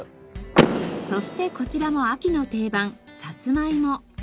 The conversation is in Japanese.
そしてこちらも秋の定番さつまいも。